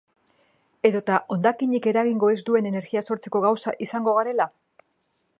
Edota hondakinik eragingo ez duen energia sortzeko gauza izango garela?